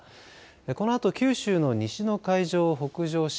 このあと九州の西の海上を北上し